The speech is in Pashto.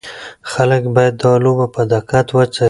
خلک باید دا لوبه په دقت وڅاري.